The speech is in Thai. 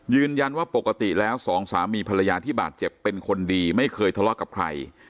ยืนยันว่าปกติแล้วสองสามีภรรยาที่บาดเจ็บเป็นคนดีไม่เคยทะเลาะกับใคร